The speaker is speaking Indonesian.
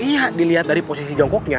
iya dilihat dari posisi jongkoknya